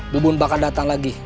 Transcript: bubun bakal datang lagi